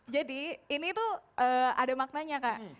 jadi ini tuh ada maknanya kak